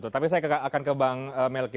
tapi saya akan ke bang melki